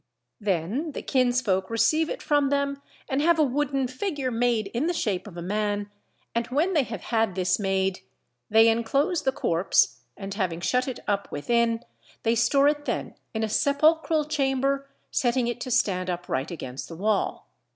Then the kinsfolk receive it from them and have a wooden figure made in the shape of a man, and when they have had this made they enclose the corpse, and having shut it up within, they store it then in a sepulchral chamber, setting it to stand upright against the wall.